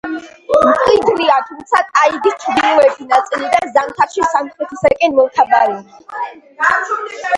მკვიდრია, თუმცა ტაიგის ჩრდილოეთი ნაწილიდან ზამთარში სამხრეთისაკენ მომთაბარეობს.